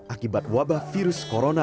akibat wabah virus corona